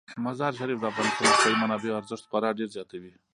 مزارشریف د افغانستان د اقتصادي منابعو ارزښت خورا ډیر زیاتوي.